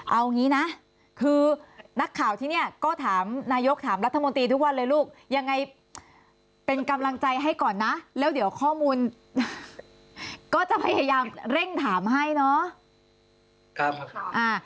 เอางี้นะคือนักข่าวที่เนี่ยก็ถามนายกถามรัฐมนตรีทุกวันเลยลูกยังไงเป็นกำลังใจให้ก่อนนะแล้วเดี๋ยวข้อมูลก็จะพยายามเร่งถามให้เนาะ